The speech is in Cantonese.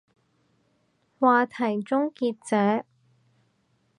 話題終結者